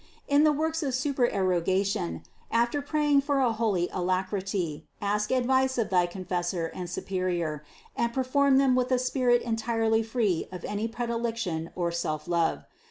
In the works of supererogation, after praying for a holy alacrity, ask ad vice of thy confessor and superior, and perform them with a spirit entirely free of any predilection or selflove.